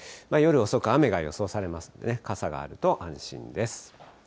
夜遅く、雨が予想されますんでね、傘があると安心です。